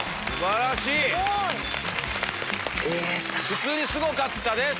普通にすごかったです！